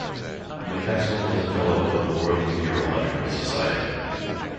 McCaskill was a fellow of the Royal Meteorological Society.